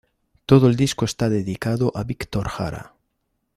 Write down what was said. Todo el disco está dedicado a Víctor Jara.